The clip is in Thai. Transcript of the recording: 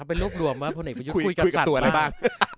เป็นรูปรวมให้คนเด็กไปตายเป็นการคุยกับสัตว์มาก